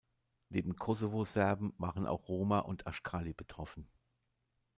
Neben Kosovo-Serben waren auch Roma und Aschkali betroffen.